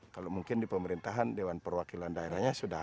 kalau mungkin di pemerintahan dewan perwakilan daerahnya sudah ada